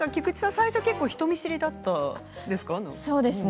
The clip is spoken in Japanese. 最初人見知りだったんですか。